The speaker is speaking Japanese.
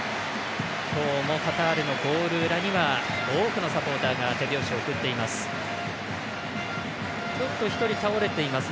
今日もカタールのゴール裏には多くのサポーターが手拍子を送っています。